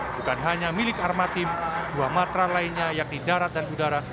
bukan hanya milik armatim dua matra lainnya yakni darat dan udara